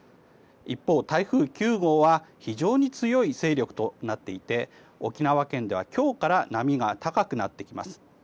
一方、台風９号は非常に強い勢力となっていて沖縄県では今日から波が高くなってきます。